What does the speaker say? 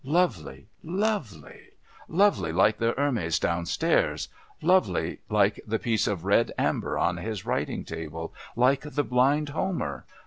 Lovely! Lovely! Lovely like the Hermes downstairs, lovely like the piece of red amber on his writing table, like the Blind Homer...